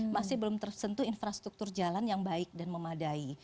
masih belum tersentuh infrastruktur jalan yang baik dan memadai